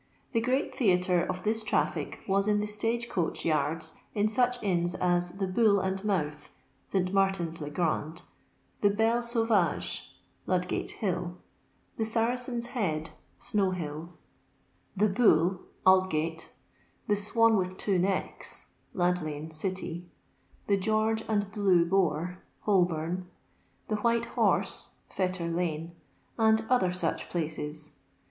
The great theatre of this traffic was in the stage coach yards in such inns as the Bull and Mouth, (St Martin's le Grand), the Belle Sauvage (Lnd gate hill), the Saracen's Head (Snow hill), the Bull (Aldgate), the Swan with two Necks (Lad lane, City), the George and Blue Boar (Holbom), the White Horse (Fetter kme), and other such places.